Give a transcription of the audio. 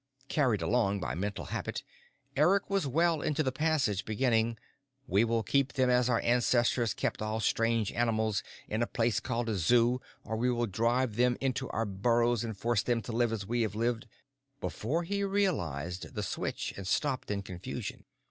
_" Carried along by mental habit, Eric was well into the passage beginning "_We will keep them as our ancestors kept all strange animals, in a place called a zoo, or we will drive them into our burrows and force them to live as we have lived_," before he realized the switch and stopped in confusion.